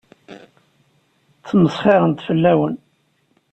Ttmesxiṛent fell-awen.